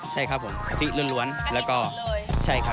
ใช่ครับผมกะทิล้วนแล้วก็ใช่ครับ